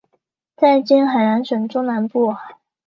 在今海南省中南部。